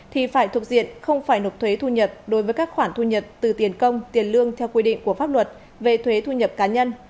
thì phải thuộc diện không phải nộp thuế thu nhập đối với các khoản thu nhập từ tiền công tiền lương theo quy định của pháp luật về thuế thu nhập cá nhân